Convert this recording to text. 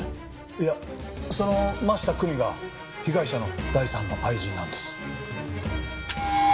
いやその真下久美が被害者の第３の愛人なんです。